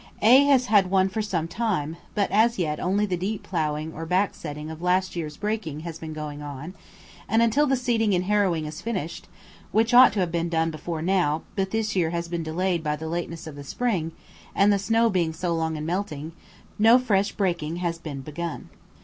A has had one for some time, but as yet only the deep ploughing or backsetting of last year's breaking has been going on, and until the seeding and harrowing is finished, which ought to have been done before now, but this year has been delayed by the lateness of the spring, and the snow being so long in melting, no fresh breaking has been begun.